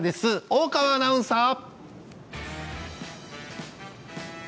大川アナウンサー！